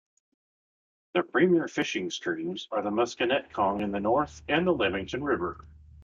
The premier fishing streams are the Musconetcong in the north and the Lamington River.